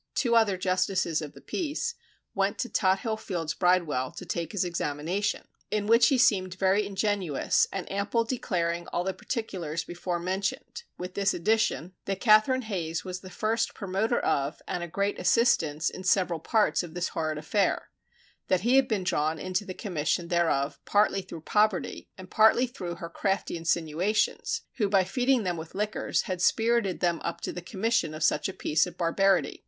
two other justices of the peace, went to Tothill Fields Bridewell, to take his examination, in which he seemed very ingenuous and ample declaring all the particulars before mentioned, with this addition that Catherine Hayes was the first promoter of, and a great assistance in several parts of this horrid affair; that he had been drawn into the commission thereof partly through poverty, and partly through her crafty insinuations, who by feeding them with liquors, had spirited them up to the commission of such a piece of barbarity.